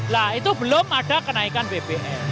nah itu belum ada kenaikan bbm